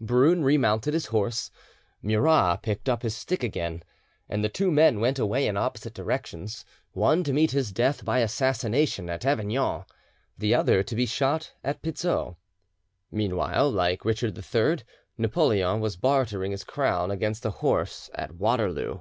Brune remounted his horse, Murat picked up his stick again, and the two men went away in opposite directions, one to meet his death by assassination at Avignon, the other to be shot at Pizzo. Meanwhile, like Richard III, Napoleon was bartering his crown against a horse at Waterloo.